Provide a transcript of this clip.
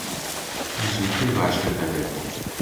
زووتر باشتر دەبێت.